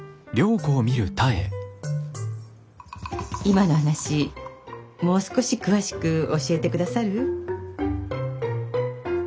今の話もう少し詳しく教えてくださる？